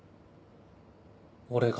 俺が？